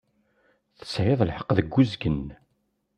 Tesɛiḍ lḥeqq deg uzgen.